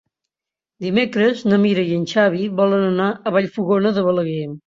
Dimecres na Mira i en Xavi volen anar a Vallfogona de Balaguer.